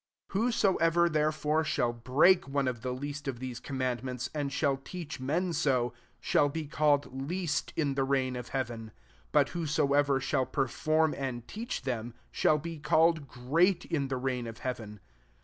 19 Whosoever therefore shall break one of the least of these commandments, and shall teach men so, shall be called least in the reig^ of hea ven ; but whosoever shall per form and teach tkemy shall be called great in the reign of hea ven.